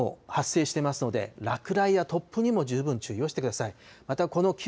雷も発生していますので、落雷や突風にも十分注意してください。